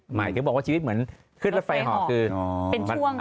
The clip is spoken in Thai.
หมายถึงจะบอกว่าชีวิตเหมือนคึกแล้วไฟเหาะคืน